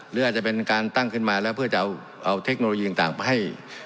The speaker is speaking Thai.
หรืออาจจะเป็นการตั้งขึ้นมาแล้วเพื่อจะเอาเทคโนโลยีต่างไปให้